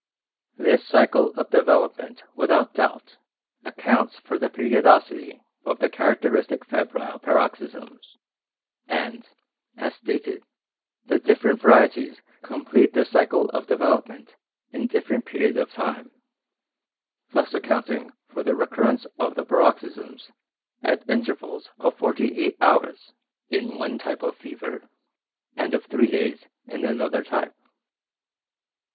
This cycle of development without doubt accounts for the periodicity of the characteristic febrile paroxysms; and, as stated, the different varieties complete their cycle of development in different period of time, thus accounting for the recurrence of the paroxysms at intervals of forty eight hours, in one type of fever, and of three days in another type.